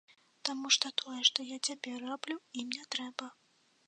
Таму што тое, што я цяпер раблю, ім не трэба.